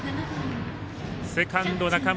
セカンド、中村。